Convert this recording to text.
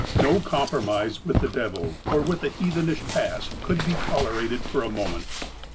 No compromise with the devil, or with the heathenish past, could be tolerated for a moment.